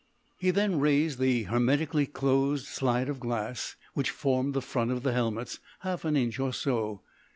He then raised the hermetically closed slide of glass, which formed the front of the helmets, half an inch or so.